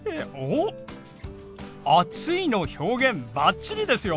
おっ「暑い」の表現バッチリですよ！